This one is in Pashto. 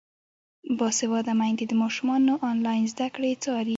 باسواده میندې د ماشومانو انلاین زده کړې څاري.